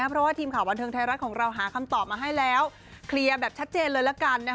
เพราะว่าทีมข่าวบันเทิงไทยรัฐของเราหาคำตอบมาให้แล้วเคลียร์แบบชัดเจนเลยละกัน